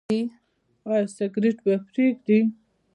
ایا سګرټ به پریږدئ؟